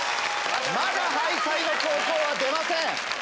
まだ敗退の高校は出ません。